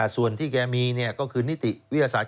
ส่วนที่แกมีก็คือนิติวิทยาศาสตร์